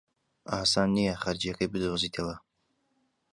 ئاسان نییە خەرجییەکەی بدۆزیتەوە.